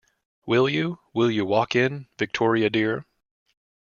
Will you, will you walk in, Victoria dear?